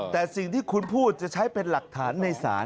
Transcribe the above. แต่สิ่งที่คุณพูดจะใช้เป็นหลักฐานในศาล